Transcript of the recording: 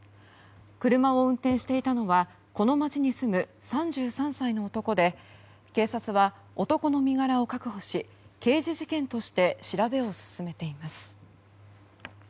車を運転していたのはこの街に住む３３歳の男で警察は男の身柄を確保し刑事事件として調べを進めています。